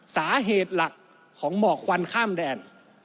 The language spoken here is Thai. สาเหตุหลักของหมอกควันข้ามแดน